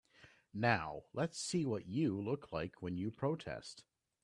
Now let's see what you look like when you protest.